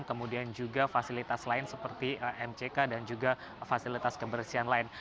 kemudian juga fasilitas lain seperti mck dan juga fasilitas kebersihan lain